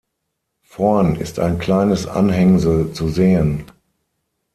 Vorn ist ein kleines Anhängsel zu sehen.